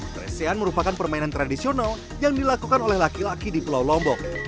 presean merupakan permainan tradisional yang dilakukan oleh laki laki di pulau lombok